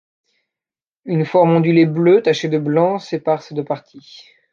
Une forme ondulée bleue tachée de blanc, sépare ces deux parties.